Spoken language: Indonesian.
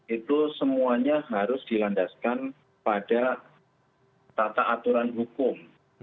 itu semuanya harus dilandaskan pada tata aturan hukum